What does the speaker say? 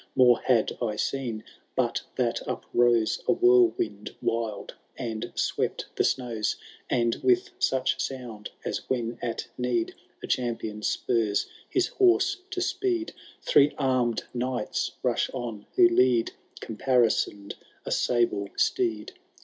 — More had I seen, but that uprose A whirlwind vnld, and swept the snows ; And with such sound as when at need A champion spurs his horse to speed. Three aimed knights rush on, who lead Caparisoned a sable steed.